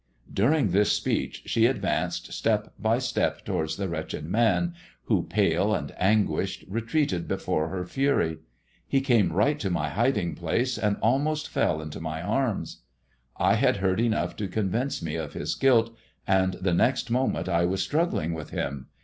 During this speech she advanced step by step towards the wretched man, who, pale and anguished, retreated before her fury. He came right to my hiding place, and almost fell into my arms. I had heard enough to convince me of his guilt, and the next moment I was struggling with him.